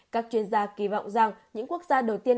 các chuyên gia kỳ vọng rằng những quốc gia đầu tiên